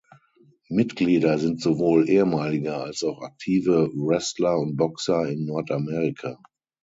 Mitglieder sind sowohl ehemalige als auch aktive Wrestler und Boxer in Nordamerika.